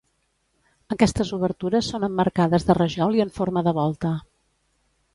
Aquestes obertures són emmarcades de rajol i en forma de volta.